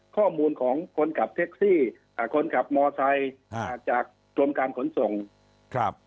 ข้อมูลของคนขับแท็กซี่อ่าคนขับมอไซค์อ่าจากกรมการขนส่งครับ